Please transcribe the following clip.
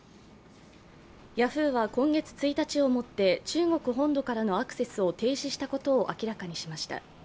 ヤフーは今月１日をもって、中国本土からのアクセスを停止したことを明らかにしました。